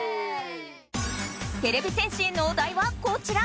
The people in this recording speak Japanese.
てれび戦士へのお題はこちら！